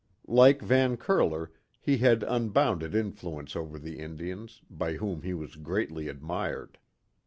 Like Van Curler, he had unbounded influence over the Indians, by whom he was greatly admired.